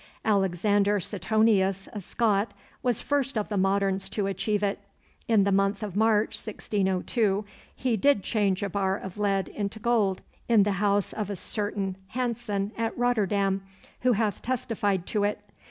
Alexander Setonius, a Scot, was first of the moderns to achieve it. In the month of March 1602 he did change a bar of lead into gold in the house of a certain Hansen, at Rotterdam, who hath testified to it.